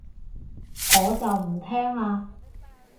我就唔聽喇